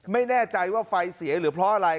ไม่แน่ใจว่าไฟเสียหรือเพราะอะไร